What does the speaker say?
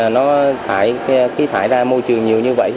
số xe khi thải ra môi trường nhiều như vậy